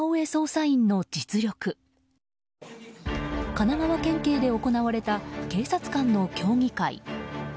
神奈川県警で行われた警察官の競技会。